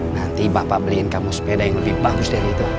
nanti bapak beliin kamu sepeda yang lebih bagus dari itu